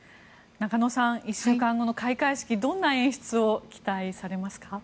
中野さん、１週間後の開会式どんな演出を期待されますか。